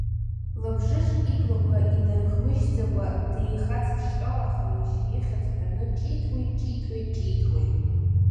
Лабжышк иблақәа инарыхмыжьӡакәа, деихаӡԥштәалаха, иашьа ихьӡ ҳәаны ҿиҭуеит, ҿиҭуеит, ҿиҭуеит…